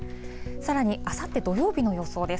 さらに、あさって土曜日の予想です。